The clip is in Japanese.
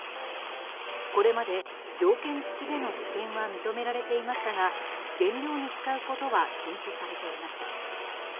これまで条件付きでの治験は認められていましたが原料に使うことは禁止されていました。